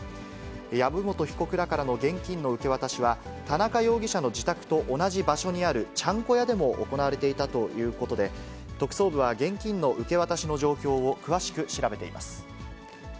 籔本被告らからの現金の受け渡しは、田中容疑者の自宅と同じ場所にある、ちゃんこ屋でも行われていたということで、特捜部は現金の受け渡しの状況を詳しく調べています。